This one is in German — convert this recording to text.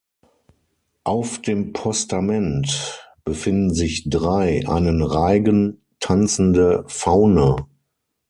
Auf dem Postament befinden sich drei einen Reigen tanzende Faune.